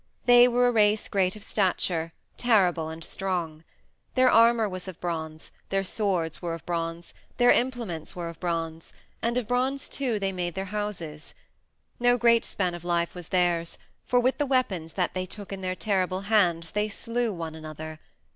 They were a race great of stature, terrible and strong. Their armor was of bronze, their swords were of bronze, their implements were of bronze, and of bronze, too, they made their houses. No great span of life was theirs, for with the weapons that they took in their terrible hands they slew one another.